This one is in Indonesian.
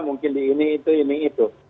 mungkin di ini itu ini itu